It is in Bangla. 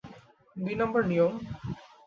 দুই নাম্বার নিয়ম?